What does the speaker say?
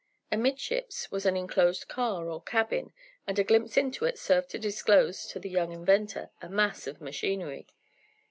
Amidships was an enclosed car, or cabin, and a glimpse into it served to disclose to the young inventor a mass of machinery.